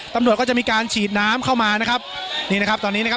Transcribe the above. ตำรวจก็จะมีการฉีดน้ำเข้ามานะครับนี่นะครับตอนนี้นะครับ